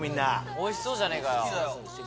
おいしそうじゃねえかよ。